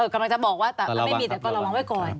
เออกำลังจะบอกว่าไม่มีแต่ก็ระวังไว้ก่อน